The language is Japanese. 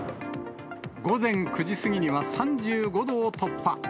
午前９時過ぎには３５度を突破。